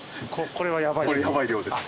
これやばい量です。